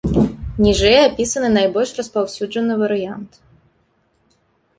Ніжэй апісаны найбольш распаўсюджаны варыянт.